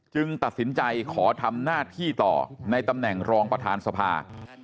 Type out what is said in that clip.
ตัดสินใจขอทำหน้าที่ต่อในตำแหน่งรองประธานสภา